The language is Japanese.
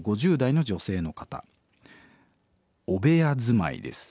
「汚部屋住まいです」。